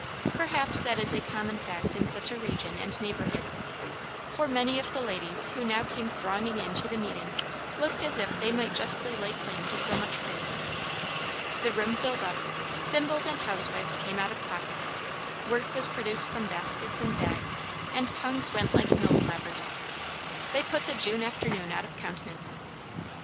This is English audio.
Perhaps that is a common fact in such a region and neighbourhood; for many of the ladies who now came thronging in to the meeting looked as if they might justly lay claim to so much praise. The room filled up; thimbles and housewives came out of pockets; work was produced from baskets and bags; and tongues went like mill clappers. They put the June afternoon out of countenance.